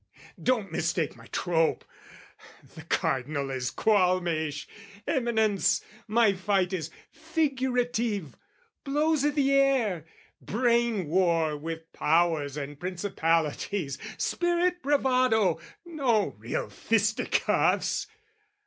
Don't mistake my trope! The Cardinal is qualmish! Eminence, My fight is figurative, blows i' the air, Brain war with powers and principalities, Spirit bravado, no real fisticuffs!